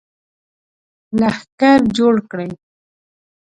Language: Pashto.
لښکر جوړ کړي.